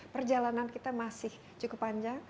perjalanan kita masih cukup panjang